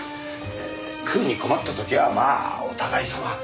食うに困った時はまあお互い様。